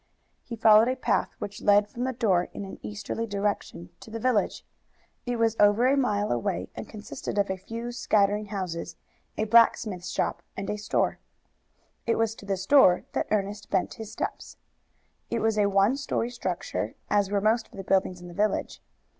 He followed a path which led from the door in an easterly direction to the village. It was over a mile away, and consisted of a few scattering houses, a blacksmith's shop and a store. It was to the store that Ernest bent his steps. It was a one story structure, as were most of the buildings in the village.